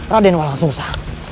radenwa langsung usah